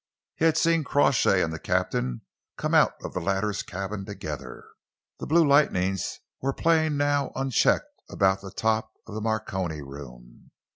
He had seen Crawshay and the captain come out of the latter's cabin together. The blue lightnings were playing now unchecked about the top of the Marconi room.